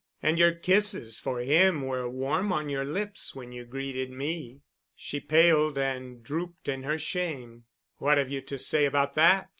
And your kisses for him were warm on your lips when you greeted me." She paled and drooped in her shame. "What have you to say about that?"